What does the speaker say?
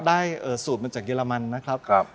ได้เอ่อสูตรมันจากเยอรมันนะครับครับ